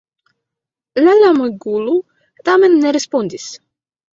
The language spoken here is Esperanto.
La lamegulo tamen ne respondis.